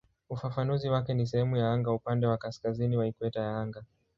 Ufafanuzi wake ni "sehemu ya anga upande wa kaskazini wa ikweta ya anga".